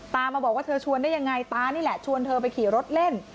มาบอกว่าเธอชวนได้ยังไงตานี่แหละชวนเธอไปขี่รถเล่น